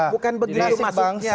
bukan begitu masuknya